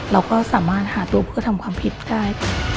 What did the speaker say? เราก็สามารถหาตัวผู้กระทำความผิดได้